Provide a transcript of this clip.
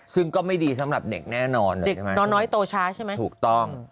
ซึ่งก็ไม่ดีสำหรับเด็กแน่นอนเด็กน้อยโตช้าใช่ไหมถูกต้อง